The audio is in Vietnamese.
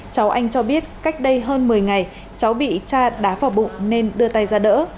cháu anh cho biết cách đây hơn một mươi ngày cháu bị cha đá vào bụng nên đưa tay ra đỡ